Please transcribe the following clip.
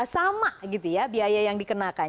sama gitu ya biaya yang dikenakan